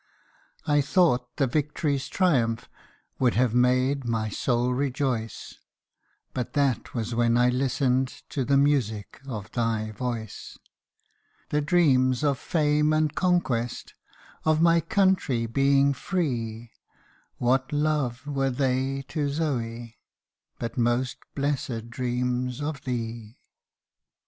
I thought the victory's triumph Would have made my soul rejoice, But that was when I listened To the music of thy voice. The dreams of fame and conquest, Of my country being free; What love were they to Zoe, But most blessed dreams of thee ?